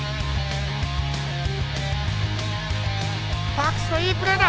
パークスのいいプレーだ。